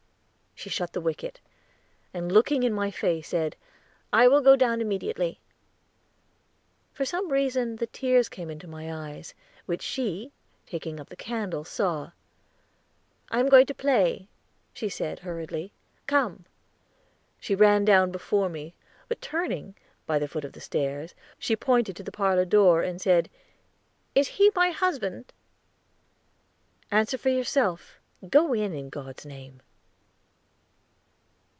She shut the wicket, and, looking in my face, said, "I will go down immediately." For some reason the tears came into my eyes, which she, taking up the candle, saw. "I am going to play," she said hurriedly, "come." She ran down before me, but turning, by the foot of the stairs, she pointed to the parlor door, and said, "Is he my husband?" "Answer for yourself. Go in, in God's name."